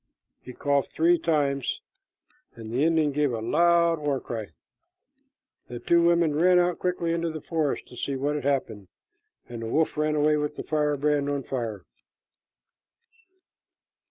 He coughed three times, and the Indian gave a war cry. The two old women ran out quickly into the forest to see what had happened, and the wolf ran away with a firebrand from the fire.